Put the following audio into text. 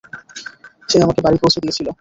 সে আমাকে বাড়ি পৌঁছে দিয়েছিল।